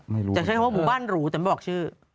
ไม่รู้จะใช้คำว่าหมู่บ้านหรูแต่ไม่บอกชื่อ